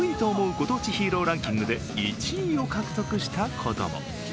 ご当地ヒーローランキングで１位を獲得したことも。